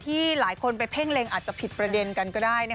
หลายคนไปเพ่งเล็งอาจจะผิดประเด็นกันก็ได้